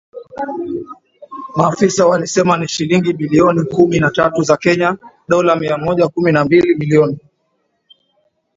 Maafisa walisema ni shilingi bilioni kumi na tatu za Kenya (Dola mia moja kumi na mbili milioni).